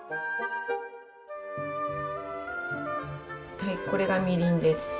はいこれがみりんです。